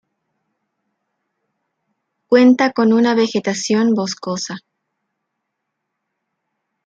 Cuenta con una vegetación boscosa.